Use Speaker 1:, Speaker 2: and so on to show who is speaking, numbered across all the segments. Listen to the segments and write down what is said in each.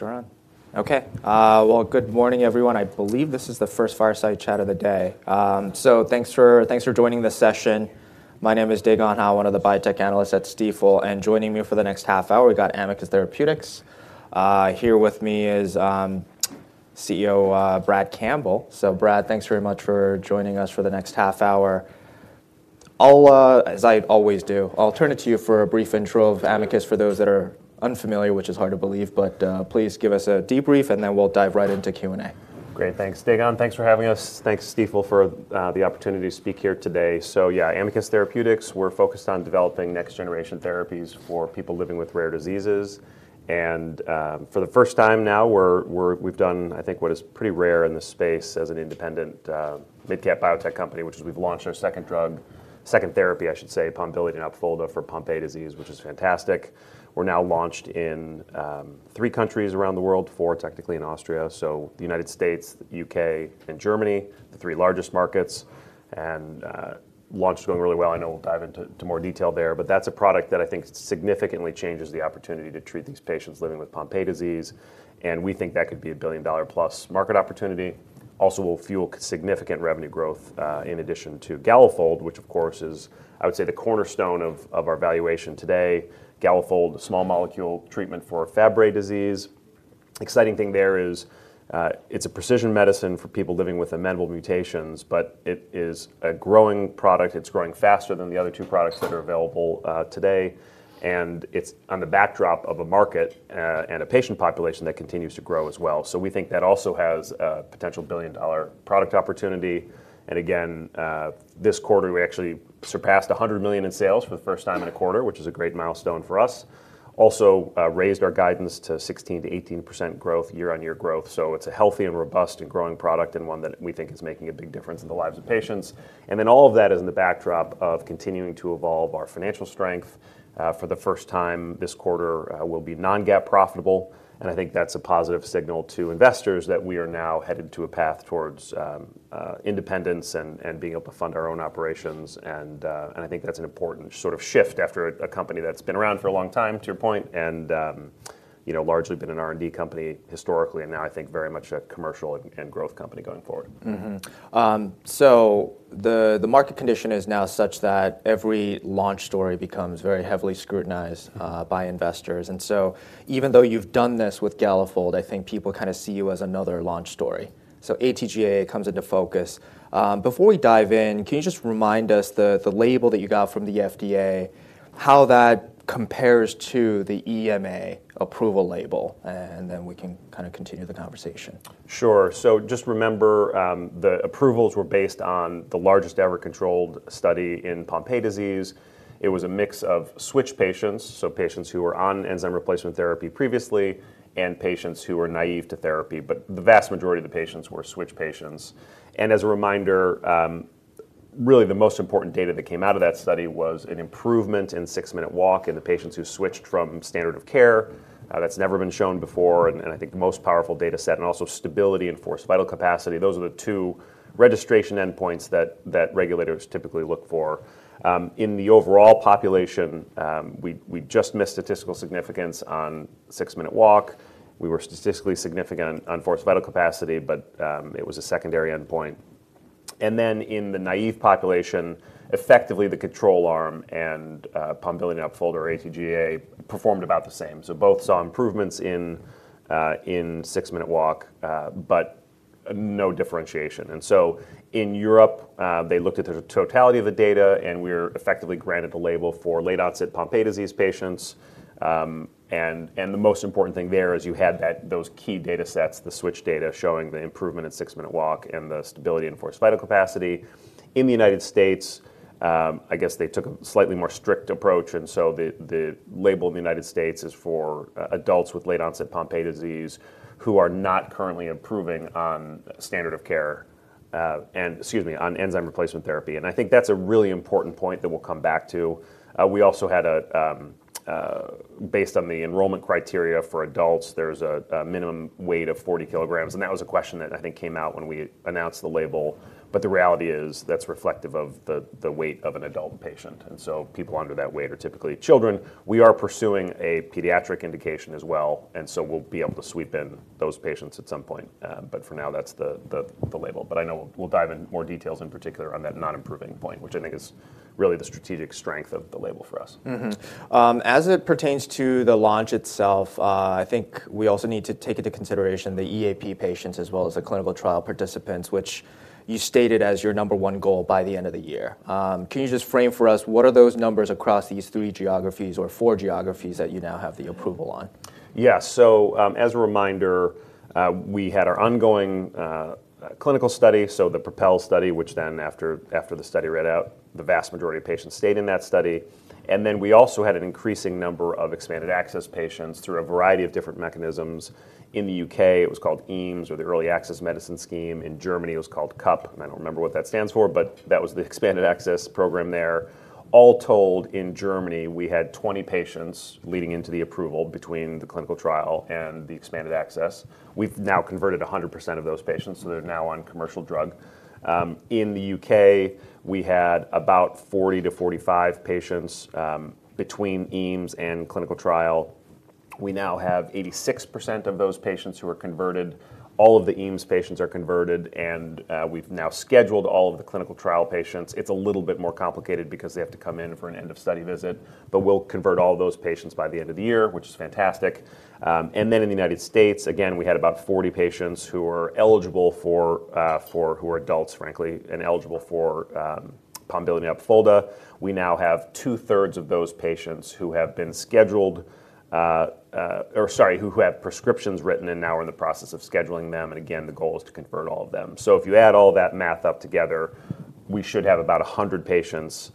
Speaker 1: Thanks, Ron. Okay, well, good morning, everyone. I believe this is the first Fireside Chat of the day. So thanks for, thanks for joining this session. My name is Dae Gon Ha, one of the Biotech Analysts at Stifel, and joining me for the next half hour, we've got Amicus Therapeutics. Here with me is CEO Brad Campbell. So Brad, thanks very much for joining us for the next half hour. I'll, as I always do, I'll turn it to you for a brief intro of Amicus-
Speaker 2: Yeah
Speaker 1: For those that are unfamiliar, which is hard to believe, but please give us a debrief, and then we'll dive right into Q&A.
Speaker 2: Great. Thanks, Dae Gon Ha. Thanks for having us. Thanks, Stifel, for the opportunity to speak here today. So yeah, Amicus Therapeutics, we're focused on developing next-generation therapies for people living with rare diseases. And for the first time now, we've done, I think, what is pretty rare in this space as an independent, mid-cap biotech company, which is we've launched our second drug, second therapy, I should say, Pombiliti + Opfolda for Pompe disease, which is fantastic. We're now launched in three countries around the world, four technically in Austria, so the United States, U.K., and Germany, the three largest markets, and launch is going really well. I know we'll dive into more detail there, but that's a product that I think significantly changes the opportunity to treat these patients living with Pompe disease, and we think that could be a billion-dollar-plus market opportunity. Also will fuel significant revenue growth, in addition to Galafold, which, of course, is, I would say, the cornerstone of our valuation today. Galafold, a small molecule treatment for Fabry disease. Exciting thing there is, it's a precision medicine for people living with amenable mutations, but it is a growing product. It's growing faster than the other two products that are available today, and it's on the backdrop of a market and a patient population that continues to grow as well. So we think that also has a potential billion-dollar product opportunity. And again, this quarter, we actually surpassed $100 million in sales for the first time in a quarter, which is a great milestone for us. Also, raised our guidance to 16%-18% growth, year-on-year growth, so it's a healthy and robust and growing product, and one that we think is making a big difference in the lives of patients. And then all of that is in the backdrop of continuing to evolve our financial strength. For the first time, this quarter, we'll be non-GAAP profitable, and I think that's a positive signal to investors that we are now headed to a path towards independence and being able to fund our own operations. And I think that's an important sort of shift after a company that's been around for a long time, to your point, and you know, largely been an R&D company historically, and now I think very much a commercial and growth company going forward.
Speaker 1: Mm-hmm. So the market condition is now such that every launch story becomes very heavily scrutinized-
Speaker 2: Mm...
Speaker 1: by investors. And so even though you've done this with Galafold, I think people kinda see you as another launch story. So AT-GAA comes into focus. Before we dive in, can you just remind us the, the label that you got from the FDA, how that compares to the EMA approval label? And then we can kind of continue the conversation.
Speaker 2: Sure. So just remember, the approvals were based on the largest ever controlled study in Pompe disease. It was a mix of switch patients, so patients who were on enzyme replacement therapy previously, and patients who were naive to therapy, but the vast majority of the patients were switch patients. And as a reminder, really the most important data that came out of that study was an improvement in six-minute walk in the patients who switched from standard of care. That's never been shown before, and I think the most powerful data set, and also stability in forced vital capacity. Those are the two registration endpoints that regulators typically look for. In the overall population, we just missed statistical significance on six-minute walk. We were statistically significant on forced vital capacity, but it was a secondary endpoint. Then in the naive population, effectively, the control arm and Pombiliti + Opfolda or AT-GAA performed about the same. So both saw improvements in six-minute walk, but no differentiation. In Europe, they looked at the totality of the data, and we're effectively granted the label for late-onset Pompe disease patients. The most important thing there is you had those key data sets, the switch data, showing the improvement in six-minute walk and the stability in forced vital capacity. In the United States, I guess they took a slightly more strict approach, so the label in the United States is for adults with late-onset Pompe disease who are not currently improving on standard of care, and—excuse me—on enzyme replacement therapy. I think that's a really important point that we'll come back to. Based on the enrollment criteria for adults, there's a minimum weight of 40 kg, and that was a question that I think came out when we announced the label. But the reality is, that's reflective of the weight of an adult patient, and so people under that weight are typically children. We are pursuing a pediatric indication as well, and so we'll be able to sweep in those patients at some point. But for now, that's the label. But I know we'll dive in more details, in particular, on that not improving point, which I think is really the strategic strength of the label for us.
Speaker 1: As it pertains to the launch itself, I think we also need to take into consideration the EAP patients, as well as the clinical trial participants, which you stated as your number one goal by the end of the year. Can you just frame for us, what are those numbers across these three geographies or four geographies that you now have the approval on?
Speaker 2: Yeah. So, as a reminder, we had our ongoing clinical study, so the PROPEL study, which then after, after the study read out, the vast majority of patients stayed in that study. And then we also had an increasing number of expanded access patients through a variety of different mechanisms. In the U.K., it was called EAMS, or the Early Access to Medicines Scheme. In Germany, it was called CUP, and I don't remember what that stands for, but that was the expanded access program there. All told, in Germany, we had 20 patients leading into the approval between the clinical trial and the expanded access. We've now converted 100% of those patients, so they're now on commercial drug. In the U.K., we had about 40-45 patients between EAMS and clinical trial-... We now have 86% of those patients who are converted. All of the EAMS patients are converted, and we've now scheduled all of the clinical trial patients. It's a little bit more complicated because they have to come in for an end of study visit, but we'll convert all those patients by the end of the year, which is fantastic. And then in the United States, again, we had about 40 patients who were eligible for who are adults, frankly, and eligible for Pombiliti + Opfolda. We now have two-thirds of those patients who have been scheduled or sorry, who have prescriptions written and now are in the process of scheduling them. And again, the goal is to convert all of them. So if you add all that math up together, we should have about 100 patients,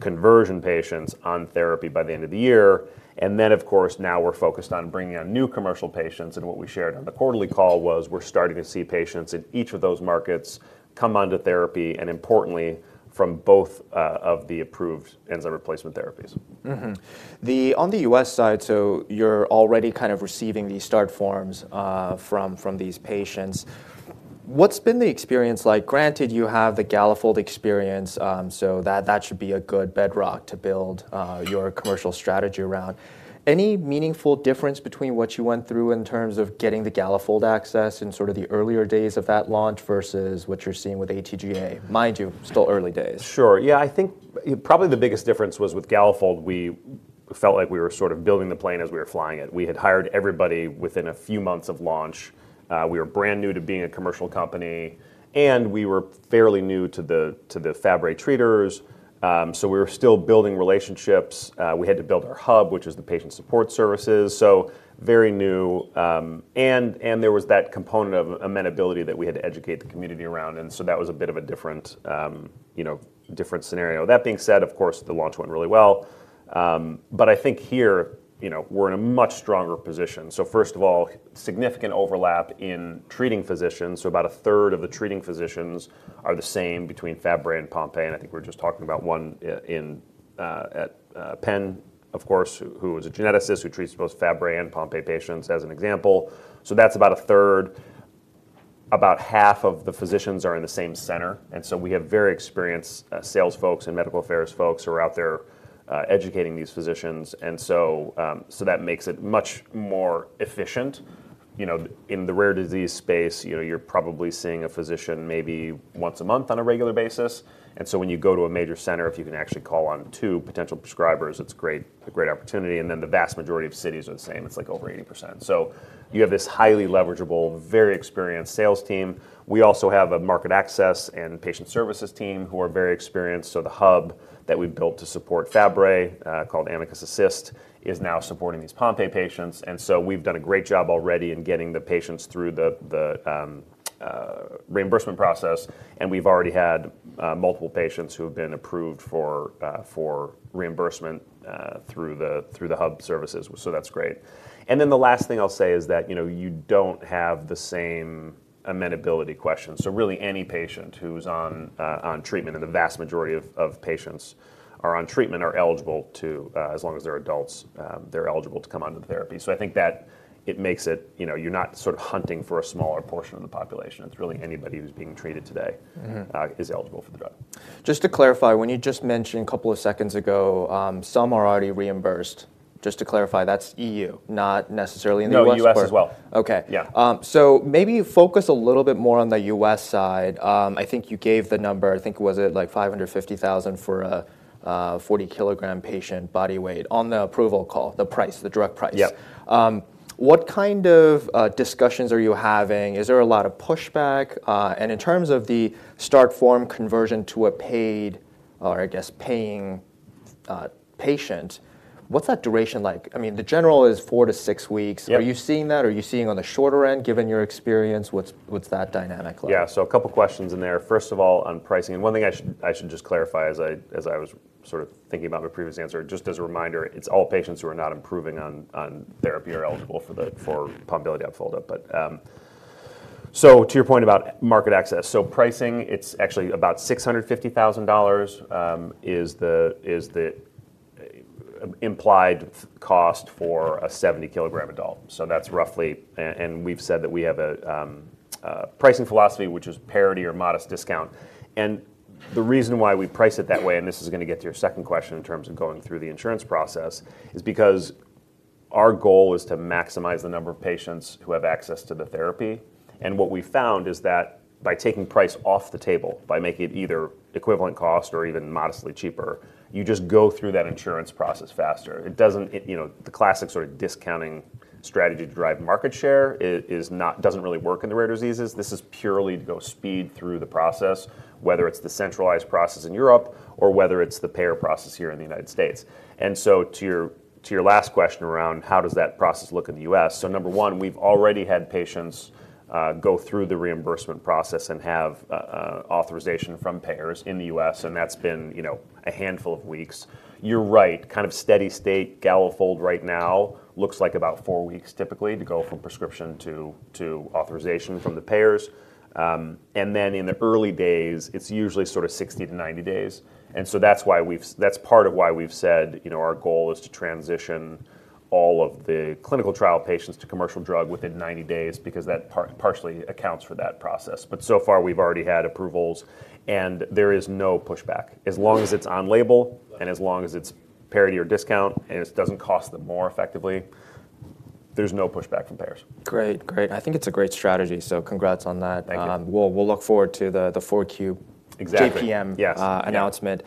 Speaker 2: conversion patients on therapy by the end of the year. And then, of course, now we're focused on bringing on new commercial patients, and what we shared on the quarterly call was we're starting to see patients in each of those markets come onto therapy, and importantly, from both of the approved enzyme replacement therapies.
Speaker 1: Mm-hmm. The on the U.S. side, so you're already kind of receiving these start forms from these patients. What's been the experience like? Granted, you have the Galafold experience, so that should be a good bedrock to build your commercial strategy around. Any meaningful difference between what you went through in terms of getting the Galafold access in sort of the earlier days of that launch versus what you're seeing with AT-GAA? Mind you, still early days.
Speaker 2: Sure. Yeah, I think probably the biggest difference was with Galafold, we felt like we were sort of building the plane as we were flying it. We had hired everybody within a few months of launch. We were brand new to being a commercial company, and we were fairly new to the Fabry treaters. So we were still building relationships. We had to build our hub, which is the patient support services. So very new, and there was that component of amenability that we had to educate the community around, and so that was a bit of a different, you know, different scenario. That being said, of course, the launch went really well. But I think here, you know, we're in a much stronger position. So first of all, significant overlap in treating physicians. So about a third of the treating physicians are the same between Fabry and Pompe, and I think we're just talking about one in at Penn, of course, who is a geneticist who treats both Fabry and Pompe patients as an example. So that's about a third. About half of the physicians are in the same center, and so we have very experienced sales folks and medical affairs folks who are out there educating these physicians. And so that makes it much more efficient. You know, in the rare disease space, you know, you're probably seeing a physician maybe once a month on a regular basis, and so when you go to a major center, if you can actually call on two potential prescribers, it's a great opportunity, and then the vast majority of cities are the same. It's like over 80%. So you have this highly leverageable, very experienced sales team. We also have a market access and patient services team who are very experienced. So the hub that we've built to support Fabry, called AMICUS ASSIST, is now supporting these Pompe patients. And so we've done a great job already in getting the patients through the reimbursement process, and we've already had multiple patients who have been approved for reimbursement through the hub services. So that's great. And then the last thing I'll say is that, you know, you don't have the same amenability question. So really any patient who's on treatment, and the vast majority of patients are on treatment, are eligible to, as long as they're adults, they're eligible to come onto the therapy. I think that it makes it—you know, you're not sort of hunting for a smaller portion of the population. It's really anybody who's being treated today-
Speaker 1: Mm-hmm...
Speaker 2: is eligible for the drug.
Speaker 1: Just to clarify, when you just mentioned a couple of seconds ago, some are already reimbursed. Just to clarify, that's EU, not necessarily in the U.S. as well?
Speaker 2: No, U.S. as well.
Speaker 1: Okay.
Speaker 2: Yeah.
Speaker 1: So maybe focus a little bit more on the U.S. side. I think you gave the number, I think, was it like $550,000 for a 40 kg patient, body weight, on the approval call, the price, the direct price?
Speaker 2: Yep.
Speaker 1: What kind of discussions are you having? Is there a lot of pushback? And in terms of the start form conversion to a paid or I guess, paying patient, what's that duration like? I mean, the general is four to six weeks.
Speaker 2: Yep.
Speaker 1: Are you seeing that? Are you seeing on the shorter end, given your experience, what's, what's that dynamic like?
Speaker 2: Yeah. So a couple questions in there. First of all, on pricing, and one thing I should just clarify as I was sort of thinking about my previous answer, just as a reminder, it's all patients who are not improving on therapy are eligible for the Pombiliti + Opfolda. But, so to your point about market access, so pricing, it's actually about $650,000 is the implied cost for a 70 kg adult. So that's roughly... and we've said that we have a pricing philosophy, which is parity or modest discount. The reason why we price it that way, and this is gonna get to your second question in terms of going through the insurance process, is because our goal is to maximize the number of patients who have access to the therapy. What we found is that by taking price off the table, by making it either equivalent cost or even modestly cheaper, you just go through that insurance process faster. It doesn't, you know, the classic sort of discounting strategy to drive market share doesn't really work in the rare diseases. This is purely to speed through the process, whether it's the centralized process in Europe or whether it's the payer process here in the United States. So to your last question around how does that process look in the U.S.? So number one, we've already had patients go through the reimbursement process and have authorization from payers in the U.S., and that's been, you know, a handful of weeks. You're right, kind of steady state Galafold right now, looks like about four weeks typically, to go from prescription to authorization from the payers. And then in the early days, it's usually sort of 60 days-90 days. And so that's why we've said, you know, our goal is to transition all of the clinical trial patients to commercial drug within 90 days, because that partially accounts for that process. But so far, we've already had approvals, and there is no pushback. As long as it's on label and as long as it's parity or discount, and it doesn't cost them more effectively, there's no pushback from payers.
Speaker 1: Great, great. I think it's a great strategy, so congrats on that.
Speaker 2: Thank you.
Speaker 1: We'll look forward to the four Q-
Speaker 2: Exactly.
Speaker 1: - JPM-
Speaker 2: Yes...
Speaker 1: announcement.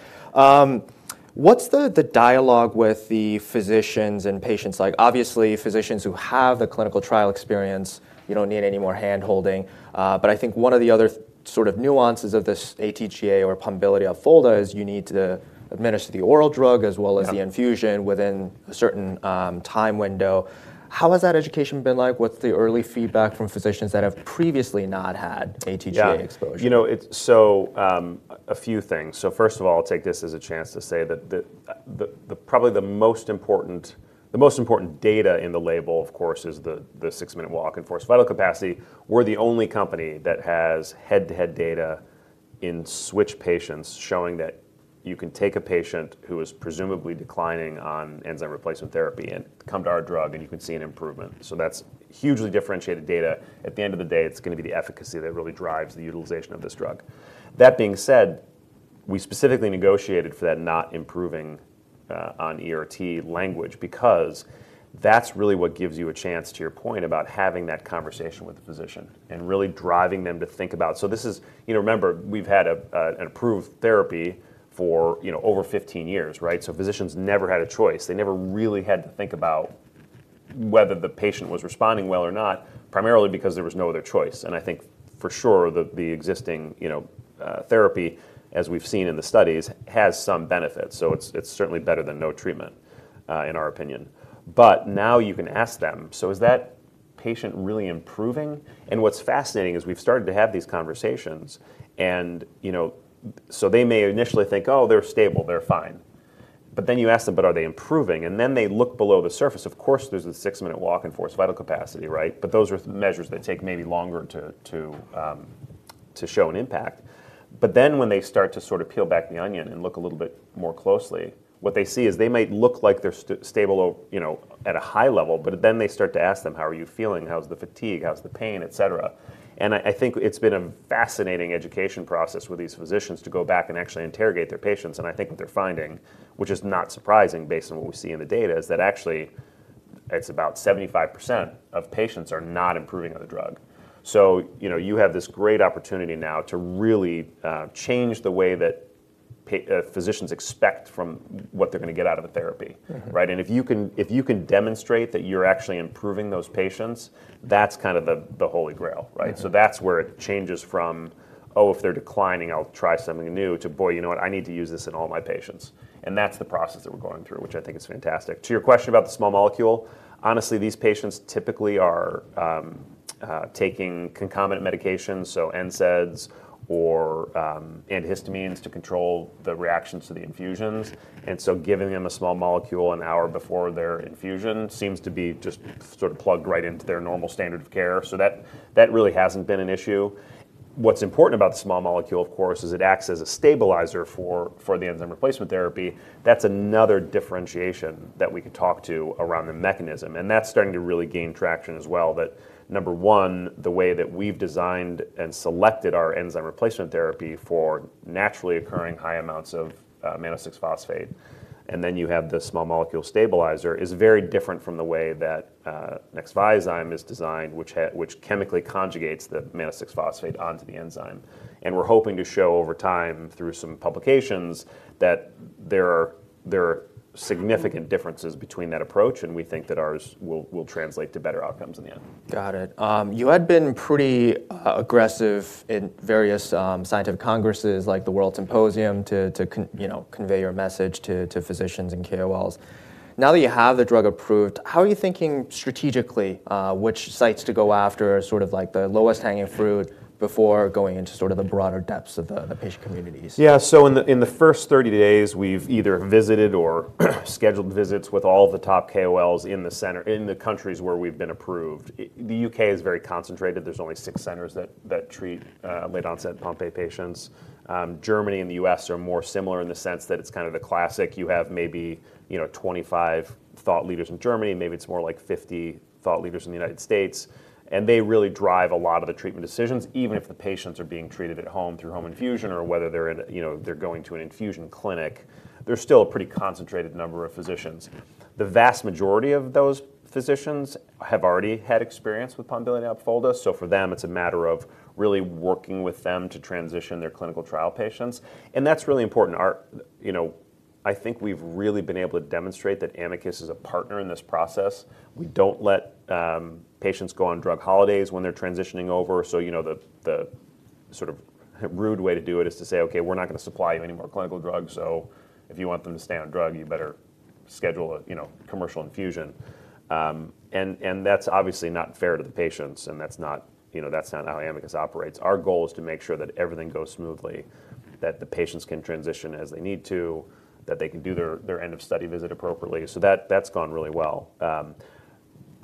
Speaker 1: What's the dialogue with the physicians and patients like? Obviously, physicians who have the clinical trial experience, you don't need any more hand-holding. But I think one of the other sort of nuances of this AT-GAA or Pombiliti + Opfolda is you need to administer the oral drug, as well as-
Speaker 2: Yeah
Speaker 1: - the infusion within a certain, time window. How has that education been like? What's the early feedback from physicians that have previously not had AT-GAA exposure?
Speaker 2: Yeah. You know, it's a few things. So first of all, I'll take this as a chance to say that the most important data in the label, of course, is the six-minute walk and forced vital capacity. We're the only company that has head-to-head data in switch patients, showing that you can take a patient who is presumably declining on enzyme replacement therapy and come to our drug, and you can see an improvement. So that's hugely differentiated data. At the end of the day, it's gonna be the efficacy that really drives the utilization of this drug. That being said, we specifically negotiated for that not improving on ERT language, because that's really what gives you a chance, to your point, about having that conversation with the physician and really driving them to think about... So this is. You know, remember, we've had a an approved therapy for, you know, over 15 years, right? So physicians never had a choice. They never really had to think about whether the patient was responding well or not, primarily because there was no other choice. And I think for sure, the existing, you know, therapy, as we've seen in the studies, has some benefits, so it's certainly better than no treatment, in our opinion. But now you can ask them, "So is that patient really improving?" And what's fascinating is, we've started to have these conversations and, you know. So they may initially think, "Oh, they're stable, they're fine." But then you ask them, "But are they improving?" And then they look below the surface, of course, there's a six-minute walk and forced vital capacity, right? But those are measures that take maybe longer to, to, show an impact. But then when they start to sort of peel back the onion and look a little bit more closely, what they see is they might look like they're stable, you know, at a high level, but then they start to ask them, "How are you feeling? How's the fatigue? How's the pain?" Et cetera. And I think it's been a fascinating education process with these physicians to go back and actually interrogate their patients. And I think what they're finding, which is not surprising based on what we see in the data, is that actually it's about 75% of patients are not improving on the drug. You know, you have this great opportunity now to really change the way that physicians expect from what they're gonna get out of a therapy.
Speaker 1: Mm-hmm.
Speaker 2: Right? And if you can, if you can demonstrate that you're actually improving those patients, that's kind of the, the holy grail, right?
Speaker 1: Mm-hmm.
Speaker 2: So that's where it changes from, "Oh, if they're declining, I'll try something new," to, "Boy, you know what? I need to use this in all my patients." And that's the process that we're going through, which I think is fantastic. To your question about the small molecule, honestly, these patients typically are taking concomitant medications, so NSAIDs or antihistamines to control the reactions to the infusions. And so giving them a small molecule an hour before their infusion seems to be just sort of plugged right into their normal standard of care. So that, that really hasn't been an issue. What's important about the small molecule, of course, is it acts as a stabilizer for, for the enzyme replacement therapy. That's another differentiation that we could talk to around the mechanism, and that's starting to really gain traction as well. That number one, the way that we've designed and selected our enzyme replacement therapy for naturally occurring high amounts of mannose-6-phosphate, and then you have the small molecule stabilizer, is very different from the way that Nexviazyme is designed, which chemically conjugates the mannose-6-phosphate onto the enzyme. And we're hoping to show over time, through some publications, that there are, there are significant differences between that approach, and we think that ours will, will translate to better outcomes in the end.
Speaker 1: Got it. You had been pretty aggressive in various scientific congresses, like the World Symposium, to convey you know your message to physicians and KOLs. Now that you have the drug approved, how are you thinking strategically which sites to go after, sort of like the lowest hanging fruit, before going into sort of the broader depths of the patient communities?
Speaker 2: Yeah. So in the first 30 days, we've either visited or scheduled visits with all the top KOLs in the centers, in the countries where we've been approved. The U.K. is very concentrated. There's only six centers that treat late-onset Pompe patients. Germany and the U.S. are more similar in the sense that it's kind of the classic. You have maybe, you know, 25 thought leaders in Germany, and maybe it's more like 50 thought leaders in the United States, and they really drive a lot of the treatment decisions, even if the patients are being treated at home through home infusion or whether they're in a, you know, they're going to an infusion clinic. There's still a pretty concentrated number of physicians. The vast majority of those physicians have already had experience with Pombiliti + Opfolda, so for them, it's a matter of really working with them to transition their clinical trial patients, and that's really important. Our. You know, I think we've really been able to demonstrate that Amicus is a partner in this process. We don't let, patients go on drug holidays when they're transitioning over. So, you know, the sort of rude way to do it is to say: Okay, we're not gonna supply you any more clinical drugs, so if you want them to stay on drug, you better schedule a, you know, commercial infusion. And that's obviously not fair to the patients, and that's not, you know, that's not how Amicus operates. Our goal is to make sure that everything goes smoothly, that the patients can transition as they need to, that they can do their, their end of study visit appropriately. So that, that's gone really well.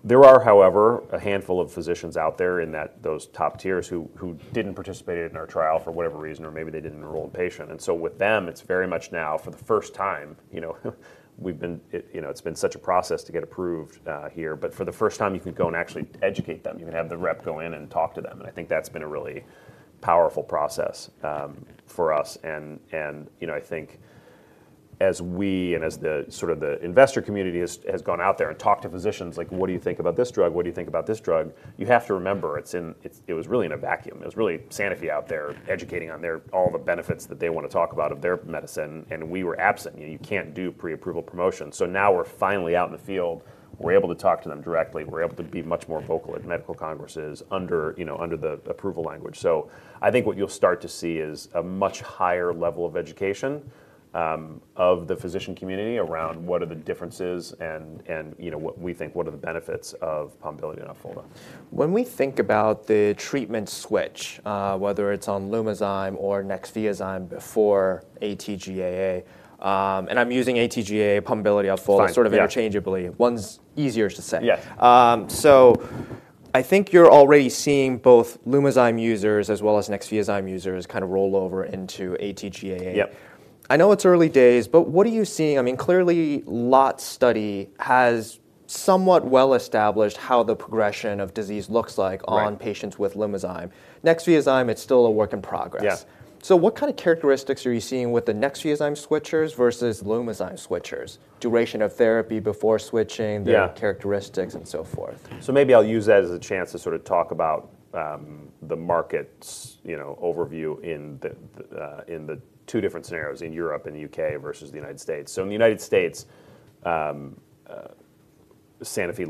Speaker 2: There are, however, a handful of physicians out there in that, those top tiers who, who didn't participate in our trial for whatever reason, or maybe they didn't enroll a patient. And so with them, it's very much now, for the first time, you know, it's been such a process to get approved here, but for the first time, you can go and actually educate them. You can have the rep go in and talk to them, and I think that's been a really powerful process for us. And you know, I think... As we and as the sort of the investor community has gone out there and talked to physicians, like, "What do you think about this drug? What do you think about this drug?" You have to remember, it's, it was really in a vacuum. It was really Sanofi out there educating on their all the benefits that they want to talk about of their medicine, and we were absent. You know, you can't do pre-approval promotion. So now we're finally out in the field. We're able to talk to them directly. We're able to be much more vocal at medical congresses under, you know, under the approval language. I think what you'll start to see is a much higher level of education of the physician community around what are the differences, and, and you know, what we think, what are the benefits of Pombiliti and Opfolda.
Speaker 1: When we think about the treatment switch, whether it's on Lumizyme or Nexviazyme before AT-GAA, and I'm using AT-GAA, Pombiliti + Opfolda-
Speaker 2: Fine, yeah.
Speaker 1: sort of interchangeably. One's easier to say.
Speaker 2: Yeah.
Speaker 1: So, I think you're already seeing both Lumizyme users as well as Nexviazyme users kind of roll over into AT-GAA.
Speaker 2: Yep.
Speaker 1: I know it's early days, but what are you seeing? I mean, clearly, longitudinal study has somewhat well established how the progression of disease looks like-
Speaker 2: Right...
Speaker 1: on patients with Lumizyme. Nexviazyme, it's still a work in progress.
Speaker 2: Yeah.
Speaker 1: So what kind of characteristics are you seeing with the Nexviazyme switchers versus Lumizyme switchers? Duration of therapy before switching-
Speaker 2: Yeah...
Speaker 1: the characteristics, and so forth.
Speaker 2: So maybe I'll use that as a chance to sort of talk about the market's, you know, overview in the two different scenarios, in Europe and the U.K. versus the United States. So in the United States, Sanofi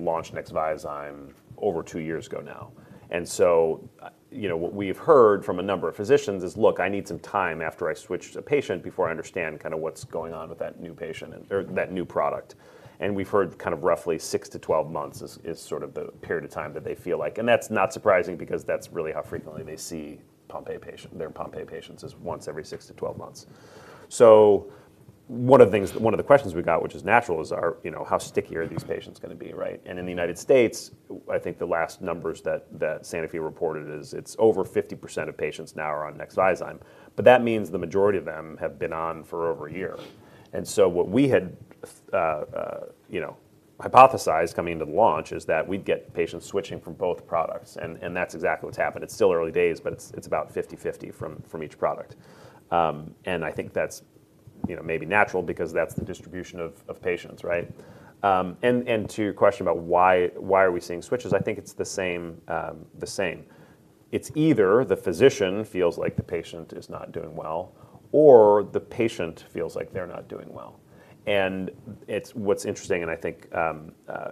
Speaker 2: launched Nexviazyme over 2 years ago now. And so, you know, what we've heard from a number of physicians is, "Look, I need some time after I switch a patient before I understand kind of what's going on with that new patient or that new product." And we've heard kind of roughly 6 months-12 months is sort of the period of time that they feel like. And that's not surprising because that's really how frequently they see Pompe patients, is once every 6 months-12 months. So one of the things, one of the questions we got, which is natural, is are, you know, how sticky are these patients gonna be, right? And in the United States, I think the last numbers that Sanofi reported is it's over 50% of patients now are on Nexviazyme, but that means the majority of them have been on for over a year. And so what we had, you know, hypothesized coming into the launch is that we'd get patients switching from both products, and that's exactly what's happened. It's still early days, but it's about 50/50 from each product. And I think that's, you know, maybe natural because that's the distribution of patients, right? And to your question about why are we seeing switchers, I think it's the same, the same. It's either the physician feels like the patient is not doing well, or the patient feels like they're not doing well. And it's-- what's interesting, and I think,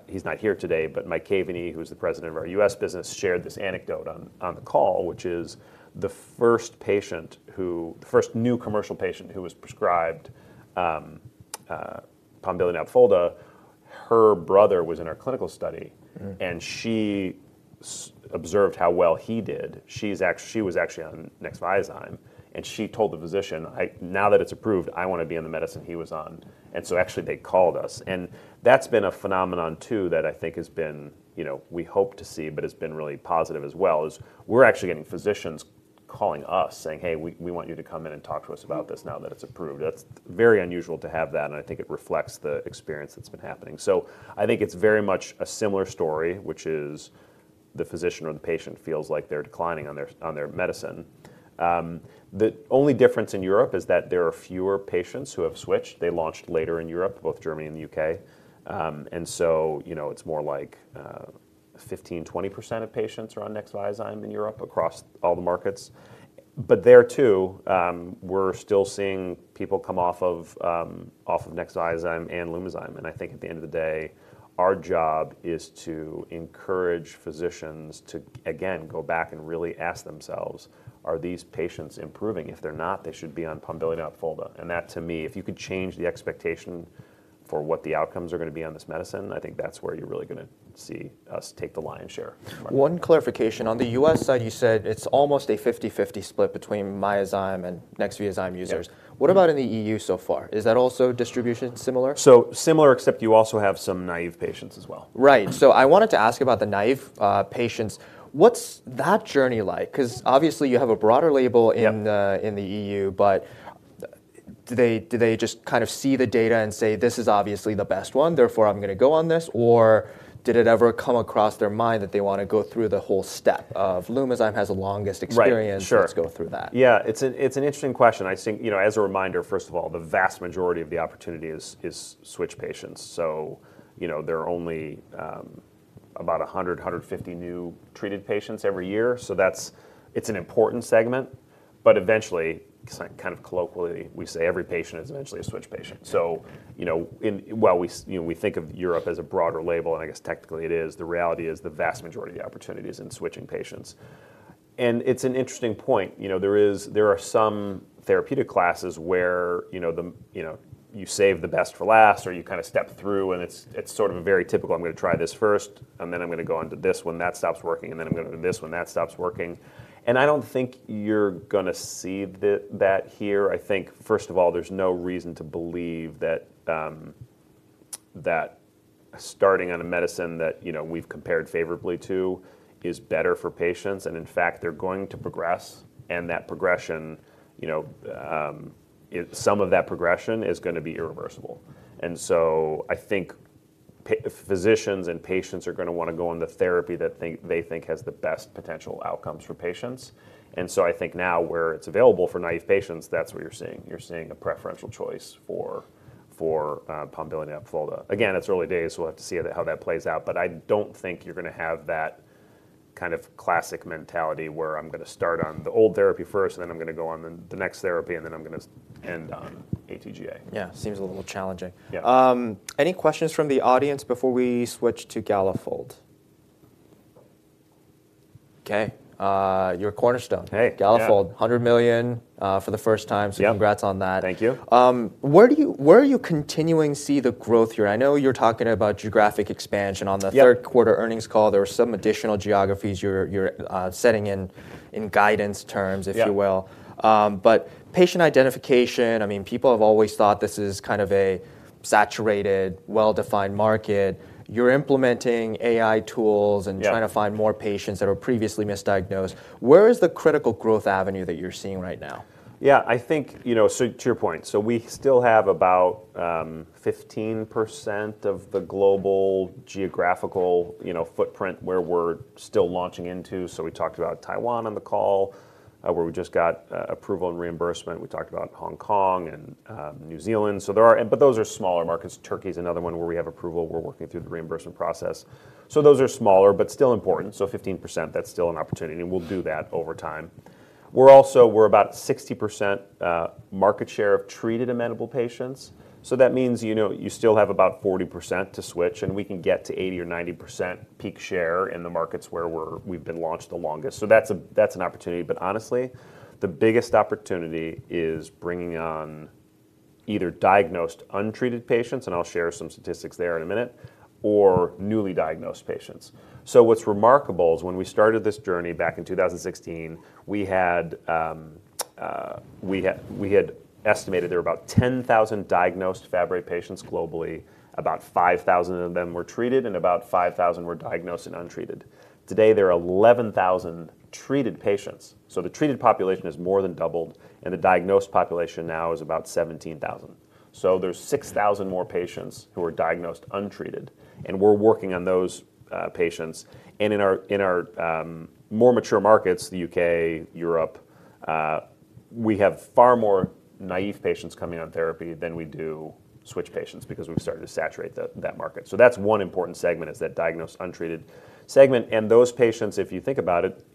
Speaker 2: he's not here today, but Mike Caveney, who's the president of our U.S. business, shared this anecdote on, on the call, which is the first patient who-- the first new commercial patient who was prescribed, Pombiliti + Opfolda, her brother was in our clinical study.
Speaker 1: Mm-hmm.
Speaker 2: She observed how well he did. She was actually on Nexviazyme, and she told the physician, "Now that it's approved, I want to be on the medicine he was on." And so actually, they called us, and that's been a phenomenon, too, that I think has been... you know, we hope to see, but it's been really positive as well, is we're actually getting physicians calling us, saying, "Hey, we want you to come in and talk to us about this now that it's approved." That's very unusual to have that, and I think it reflects the experience that's been happening. So I think it's very much a similar story, which is the physician or the patient feels like they're declining on their medicine. The only difference in Europe is that there are fewer patients who have switched. They launched later in Europe, both Germany and the U.K.. And so, you know, it's more like, 15%-20% of patients are on Nexviazyme in Europe across all the markets. But there, too, we're still seeing people come off of, off of Nexviazyme and Lumizyme. And I think at the end of the day, our job is to encourage physicians to again, go back and really ask themselves, "Are these patients improving?" If they're not, they should be on Pombiliti + Opfolda. And that, to me, if you could change the expectation for what the outcomes are gonna be on this medicine, I think that's where you're really gonna see us take the lion's share.
Speaker 1: One clarification. On the U.S. side, you said it's almost a 50/50 split between Myozyme and Nexviazyme users.
Speaker 2: Yeah.
Speaker 1: What about in the EU so far? Is that also distribution similar?
Speaker 2: Similar, except you also have some naive patients as well.
Speaker 1: Right. So I wanted to ask about the naive patients. What's that journey like? 'Cause obviously, you have a broader label in the-
Speaker 2: Yep...
Speaker 1: in the EU, but do they just kind of see the data and say, "This is obviously the best one, therefore, I'm gonna go on this?" Or did it ever come across their mind that they wanna go through the whole step of, Lumizyme has the longest experience-
Speaker 2: Right. Sure...
Speaker 1: let's go through that?
Speaker 2: Yeah, it's an interesting question. I think, you know, as a reminder, first of all, the vast majority of the opportunity is switch patients. So you know, there are only about 150 new treated patients every year. So that's, it's an important segment, but eventually, kind of colloquially, we say every patient is eventually a switch patient. So you know, in, while we, you know, we think of Europe as a broader label, and I guess technically it is, the reality is the vast majority of the opportunity is in switching patients. And it's an interesting point. You know, there are some therapeutic classes where, you know, the, you know, you save the best for last, or you kind of step through, and it's, it's sort of a very typical, "I'm gonna try this first, and then I'm gonna go on to this one. That stops working, and then I'm going to this one, that stops working." And I don't think you're gonna see the, that here. I think, first of all, there's no reason to believe that, that starting on a medicine that, you know, we've compared favorably to is better for patients, and in fact, they're going to progress, and that progression, you know, it-- some of that progression is gonna be irreversible. And so I think physicians and patients are gonna wanna go on the therapy that they, they think has the best potential outcomes for patients. And so I think now, where it's available for naive patients, that's what you're seeing. You're seeing a preferential choice for Pombiliti + Opfolda. Again, it's early days, so we'll have to see how that plays out, but I don't think you're gonna have that kind of classic mentality where I'm gonna start on the old therapy first, and then I'm gonna go on the next therapy, and then I'm gonna end on AT-GAA.
Speaker 1: Yeah, seems a little challenging.
Speaker 2: Yeah.
Speaker 1: Any questions from the audience before we switch to Galafold? Okay, your cornerstone.
Speaker 2: Hey, yeah.
Speaker 1: Galafold, $100 million, for the first time-
Speaker 2: Yeah...
Speaker 1: so congrats on that.
Speaker 2: Thank you.
Speaker 1: Where are you continuing to see the growth here? I know you're talking about geographic expansion on the-
Speaker 2: Yeah...
Speaker 1: third quarter earnings call. There were some additional geographies you're setting in guidance terms-
Speaker 2: Yeah...
Speaker 1: if you will. But patient identification, I mean, people have always thought this is kind of a saturated, well-defined market. You're implementing AI tools and-
Speaker 2: Yeah...
Speaker 1: trying to find more patients that were previously misdiagnosed. Where is the critical growth avenue that you're seeing right now?
Speaker 2: Yeah, I think, you know, so to your point, so we still have about 15% of the global geographical, you know, footprint where we're still launching into. So we talked about Taiwan on the call, where we just got approval and reimbursement. We talked about Hong Kong and New Zealand, so there are. But those are smaller markets. Turkey's another one where we have approval. We're working through the reimbursement process. So those are smaller, but still important, so 15%, that's still an opportunity, and we'll do that over time. We're also, we're about 60% market share of treated amenable patients. So that means, you know, you still have about 40% to switch, and we can get to 80% or 90% peak share in the markets where we've been launched the longest. So that's a, that's an opportunity. But honestly, the biggest opportunity is bringing on either diagnosed, untreated patients, and I'll share some statistics there in a minute, or newly diagnosed patients. So what's remarkable is when we started this journey back in 2016, we had estimated there were about 10,000 diagnosed Fabry patients globally. About 5,000 of them were treated, and about 5,000 were diagnosed and untreated. Today, there are 11,000 treated patients, so the treated population has more than doubled, and the diagnosed population now is about 17,000. So there's 6,000 more patients who are diagnosed untreated, and we're working on those patients. And in our more mature markets, the U.K., Europe, we have far more naive patients coming on therapy than we do switch patients because we've started to saturate that market. So that's one important segment, is that diagnosed, untreated segment, and those patients, if you think about it,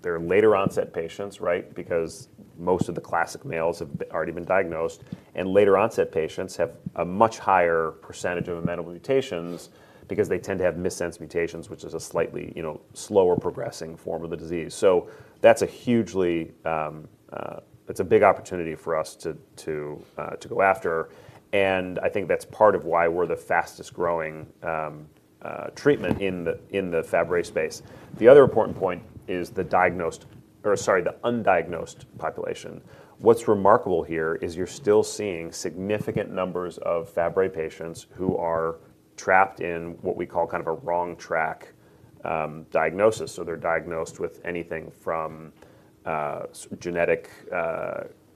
Speaker 2: they're late-onset patients, right? Because most of the classic males have already been diagnosed, and late-onset patients have a much higher percentage of amenable mutations because they tend to have missense mutations, which is a slightly, you know, slower progressing form of the disease. So that's a hugely... It's a big opportunity for us to, to, to go after, and I think that's part of why we're the fastest growing, treatment in the, in the Fabry space. The other important point is the diagnosed, or sorry, the undiagnosed population. What's remarkable here is you're still seeing significant numbers of Fabry patients who are trapped in what we call kind of a wrong track, diagnosis. So they're diagnosed with anything from genetic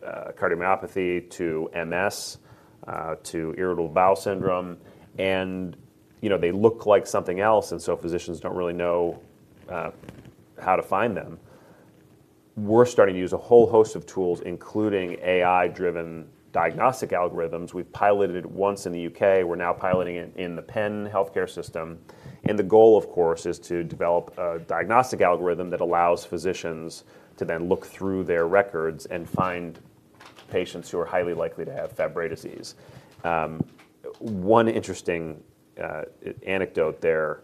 Speaker 2: cardiomyopathy to MS to irritable bowel syndrome, and, you know, they look like something else, and so physicians don't really know how to find them. We're starting to use a whole host of tools, including AI-driven diagnostic algorithms. We've piloted it once in the U.K.. We're now piloting it in the Penn health care system, and the goal, of course, is to develop a diagnostic algorithm that allows physicians to then look through their records and find patients who are highly likely to have Fabry disease. One interesting anecdote there,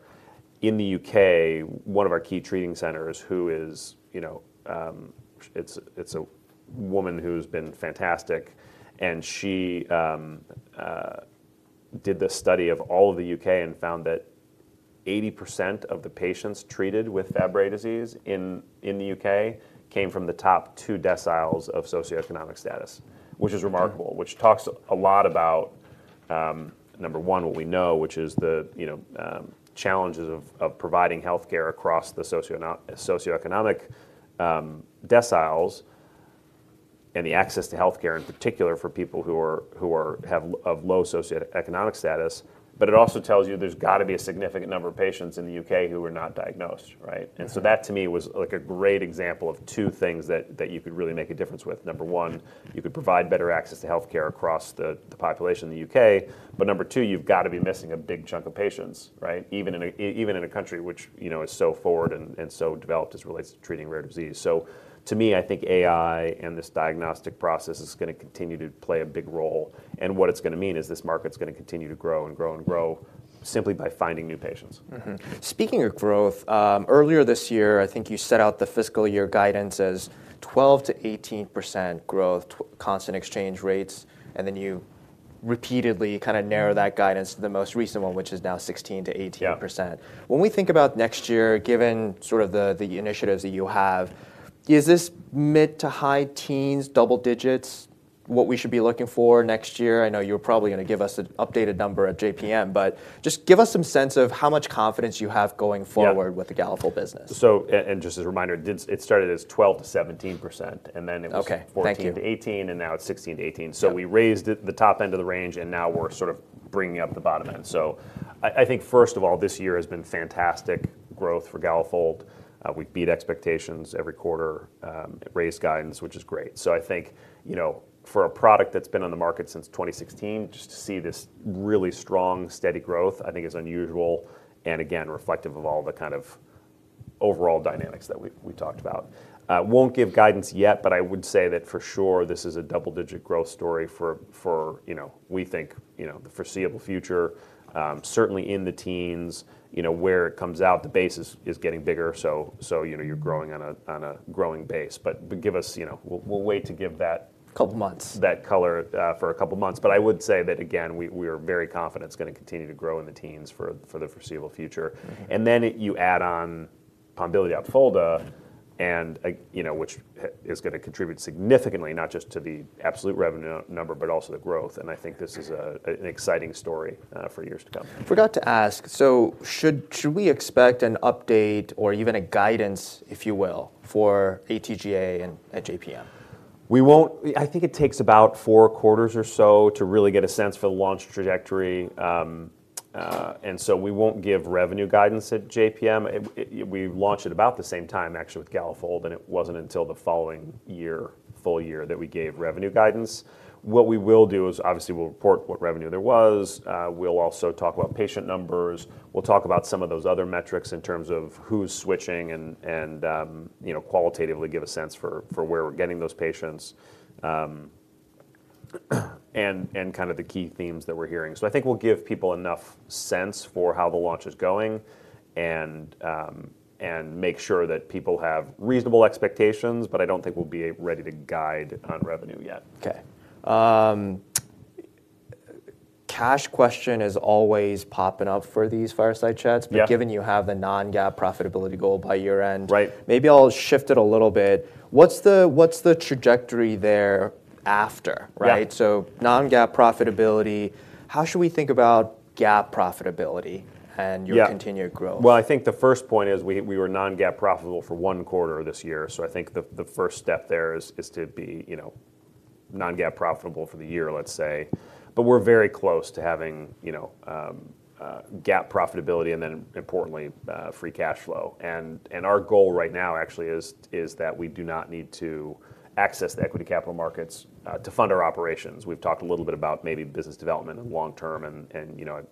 Speaker 2: in the U.K., one of our key treating centers, who is, you know, it's a woman who's been fantastic, and she did this study of all of the U.K. and found that 80% of the patients treated with Fabry disease in the U.K. came from the top two deciles of socioeconomic status, which is remarkable, which talks a lot about, number one, what we know, which is the, you know, challenges of providing healthcare across the socioeconomic deciles, and the access to healthcare in particular for people who are of low socioeconomic status. But it also tells you there's got to be a significant number of patients in the U.K. who are not diagnosed, right?
Speaker 1: Mm-hmm.
Speaker 2: And so that, to me, was, like, a great example of two things that you could really make a difference with. Number one, you could provide better access to healthcare across the population in the U.K., but number two, you've got to be missing a big chunk of patients, right? Even in a country which, you know, is so forward and so developed as it relates to treating rare disease. So to me, I think AI and this diagnostic process is gonna continue to play a big role, and what it's gonna mean is this market's gonna continue to grow and grow and grow simply by finding new patients.
Speaker 1: Mm-hmm. Speaking of growth, earlier this year, I think you set out the fiscal year guidance as 12%-18% growth, constant exchange rates, and then you repeatedly kinda narrow that guidance to the most recent one, which is now 16%-18%.
Speaker 2: Yeah.
Speaker 1: When we think about next year, given sort of the initiatives that you have, is this mid to high teens, double digits?... what we should be looking for next year? I know you're probably gonna give us an updated number at JPM, but just give us some sense of how much confidence you have going forward-
Speaker 2: Yeah
Speaker 1: with the Galafold business.
Speaker 2: So, and just as a reminder, it started as 12%-17%, and then it was-
Speaker 1: Okay, thank you.
Speaker 2: 14-18, and now it's 16-18.
Speaker 1: Yeah.
Speaker 2: So we raised it, the top end of the range, and now we're sort of bringing up the bottom end. So I think first of all, this year has been fantastic growth for Galafold. We've beat expectations every quarter, raised guidance, which is great. So I think, you know, for a product that's been on the market since 2016, just to see this really strong, steady growth, I think is unusual and again, reflective of all the kind of overall dynamics that we talked about. I won't give guidance yet, but I would say that for sure, this is a double-digit growth story for, you know, we think, you know, the foreseeable future. Certainly in the teens, you know, where it comes out, the base is getting bigger. So, you know, you're growing on a growing base. But give us, you know... We'll wait to give that-
Speaker 1: Couple months...
Speaker 2: that color for a couple of months. But I would say that again, we are very confident it's gonna continue to grow in the teens for the foreseeable future.
Speaker 1: Mm-hmm.
Speaker 2: And then you add on Pombiliti + Opfolda, and, you know, which is gonna contribute significantly, not just to the absolute revenue number, but also the growth. And I think this is an exciting story, for years to come.
Speaker 1: Forgot to ask, so should we expect an update or even a guidance, if you will, for AT-GAA and at JPM?
Speaker 2: We won't. I think it takes about four quarters or so to really get a sense for the launch trajectory. And so we won't give revenue guidance at JPM. We launched it about the same time, actually, with Galafold, and it wasn't until the following year, full year, that we gave revenue guidance. What we will do is, obviously, we'll report what revenue there was. We'll also talk about patient numbers. We'll talk about some of those other metrics in terms of who's switching and you know, qualitatively give a sense for where we're getting those patients. And kind of the key themes that we're hearing. So I think we'll give people enough sense for how the launch is going and make sure that people have reasonable expectations, but I don't think we'll be ready to guide on revenue yet.
Speaker 1: Okay. Cash question is always popping up for these fireside chats.
Speaker 2: Yeah.
Speaker 1: But given you have the non-GAAP profitability goal by year-end-
Speaker 2: Right...
Speaker 1: maybe I'll shift it a little bit. What's the trajectory there after, right?
Speaker 2: Yeah.
Speaker 1: So non-GAAP profitability, how should we think about GAAP profitability and-
Speaker 2: Yeah
Speaker 1: your continued growth?
Speaker 2: Well, I think the first point is we were non-GAAP profitable for 1 quarter this year. So I think the first step there is to be, you know, non-GAAP profitable for the year, let's say. But we're very close to having, you know, GAAP profitability and then importantly, free cash flow. And our goal right now actually is that we do not need to access the equity capital markets to fund our operations. We've talked a little bit about maybe business development and long term and, you know,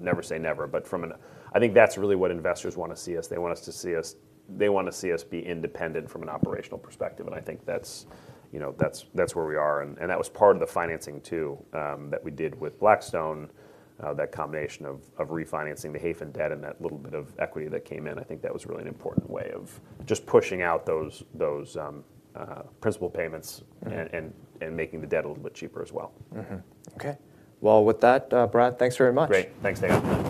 Speaker 2: never say never. But from an... I think that's really what investors want to see us. They want to see us be independent from an operational perspective, and I think that's, you know, that's where we are. That was part of the financing too, that we did with Blackstone, that combination of refinancing the Hayfin debt and that little bit of equity that came in. I think that was really an important way of just pushing out those principal payments-
Speaker 1: Mm-hmm...
Speaker 2: and making the debt a little bit cheaper as well.
Speaker 1: Mm-hmm. Okay. Well, with that, Brad, thanks very much.
Speaker 2: Great. Thanks, Dae Gon Ha.